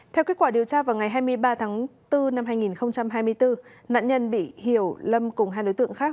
theo kết quả điều tra vào ngày hai mươi ba tháng bốn năm hai nghìn hai mươi bốn nạn nhân bị hiểu lâm cùng hai đối tượng khác